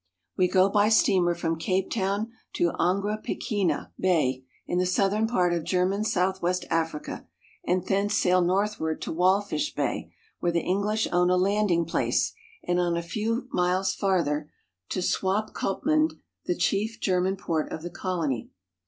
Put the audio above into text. We go by steamer from Cape Town to Angra Pequena GERMAN SOUTHWEST AFRICA 323 ,an'gra pa kan'ya) Bay, in the southern part of German Southwest Africa, and thence sail northward to Walfish Bay, where the English own a landing place, and on a few miles farther to Swakopmund (swa'k6p m66nt), the chief German port of the colony.